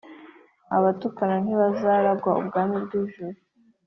Abatukana Ntibazaragwa Ubwami Bwo mwijuru